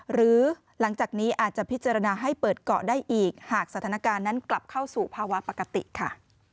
หรือหลังจากนี้อาจจะพิจารณาให้เปิดเกาะได้อีกหากสถานการณ์นั้นกลับเข้าสู่ภาวะปกติค่ะ